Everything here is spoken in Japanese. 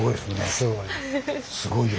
すごいよ。